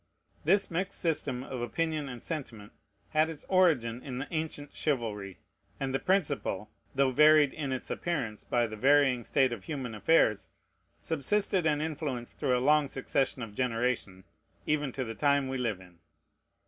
This mixed system of opinion and sentiment had its origin in the ancient chivalry; and the principle, though varied in its appearance by the varying state of human affairs, subsisted and influenced through a long succession of generations, even to the time we live in.